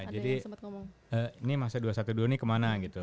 jadi ini masa dua ratus dua belas ini kemana gitu